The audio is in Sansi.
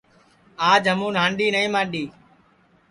آج ہمُون ہانڈؔی نائی ماڈؔی